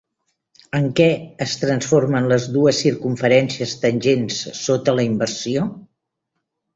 En què es transformen les dues circumferències tangents sota la inversió?